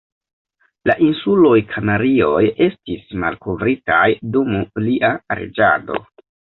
La Insuloj Kanarioj estis malkovritaj dum lia reĝado.